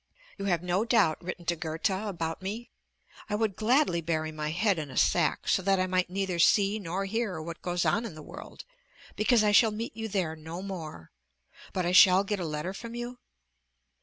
You have no doubt written to Goethe about me? I would gladly bury my head in a sack, so that I might neither see nor hear what goes on in the world, because I shall meet you there no more; but I shall get a letter from you?